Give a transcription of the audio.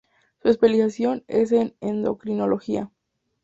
Su especialización es en endocrinología.